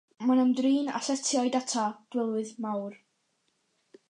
Mae'n ymdrin â setiau data delwedd mawr.